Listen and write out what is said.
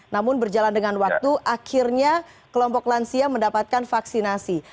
namun berjalan dengan waktu akhirnya kelompok lansia mendapatkan vaksinasi